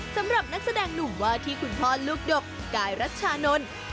สำหรับนักแสดงหนุ่มว่าที่คุณพ่อลูกดกกายรัชชานนท์